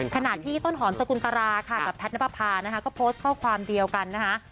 ขณะที่ต้นหอมสกุลตราค่ะกับแพทย์นับประพานะคะก็โพสต์ข้อความเดียวกันนะคะ